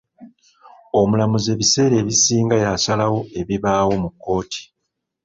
Omulamuzi ebiseera ebisinga y'asalawo ekibaawo mu kkooti.